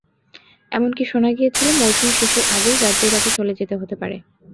এমনকি শোনা গিয়েছিল, মৌসুম শেষের আগেই গার্দিওলাকে চলে যেতে হতে পারে।